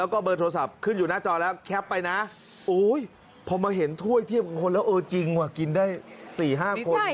ก็เห็นถ้วยเทียบคนแล้วเออจริงว่ะกินได้๔๕คน